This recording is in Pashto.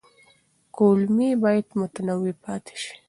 کولمې باید متنوع پاتې شي.